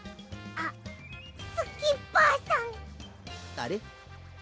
あれ！？